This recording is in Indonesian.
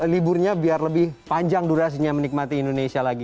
liburnya biar lebih panjang durasinya menikmati indonesia lagi